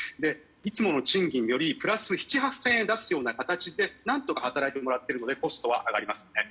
いつもの賃金よりプラス７０００８０００円出すような形で何とか働いてもらっているのでコストが上がります。